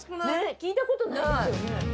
聞いたことないですよね。